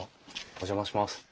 お邪魔します。